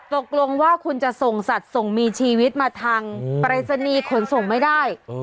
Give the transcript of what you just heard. ตกลงว่าคุณจะส่งสัตว์ส่งมีชีวิตมาทางปรายศนีย์ขนส่งไม่ได้